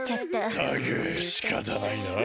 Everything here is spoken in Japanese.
ったくしかたないなあ。